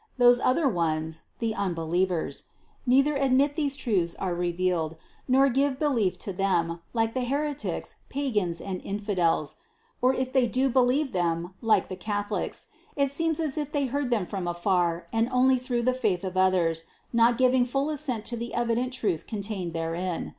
Those other ones, "the unbe lievers," neither admit that truths are revealed, nor give belief to them, like the heretics, pagans and infi dels; or if they do believe them, like the Catholics, it seems as if they heard them from afar and only through the faith of others, not giving full assent to the evident truth contained therein.